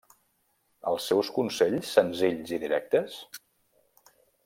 Els seus consells senzills i directes?